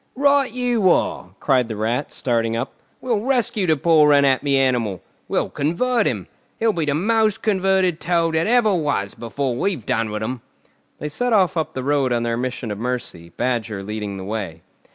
"Right you are!" cried the Rat, starting up. "We'll rescue the poor unhappy animal! We'll convert him! He'll be the most converted Toad that ever was before we've done with him!" They set off up the road on their mission of mercy, Badger leading the way.